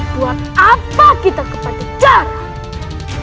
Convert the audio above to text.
buat apa kita ke pajajaran